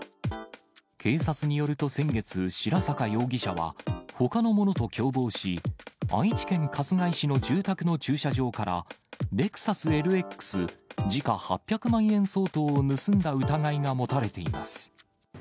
警察によると先月、白坂容疑者は、ほかの者と共謀し、愛知県春日井市の住宅の駐車場から、レクサスＬＸ、時価８００万円相当を盗んだ疑いが持たれています。